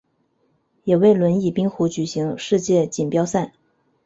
也为轮椅冰壶举行世界锦标赛。